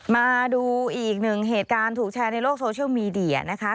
มาดูอีกหนึ่งเหตุการณ์ถูกแชร์ในโลกโซเชียลมีเดียนะคะ